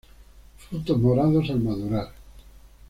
Frutos morados al madurar.